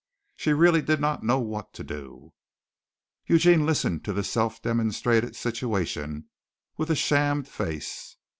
She really did not know what to do. Eugene listened to this self demonstrated situation with a shamed face.